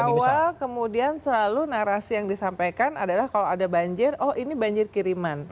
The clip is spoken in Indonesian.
awal kemudian selalu narasi yang disampaikan adalah kalau ada banjir oh ini banjir kiriman